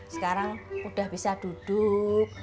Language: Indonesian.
sekarang udah bisa duduk